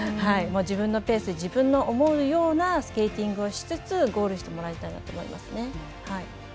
自分のペース、自分の思うようなスケーティングをしつつゴールしてもらいたいなと思いますね。